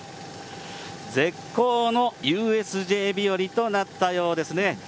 絶好のＵＳＪ日和となったようですね。